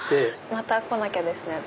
また来なきゃですね私。